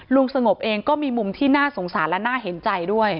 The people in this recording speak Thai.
สงบเองก็มีมุมที่น่าสงสารและน่าเห็นใจด้วย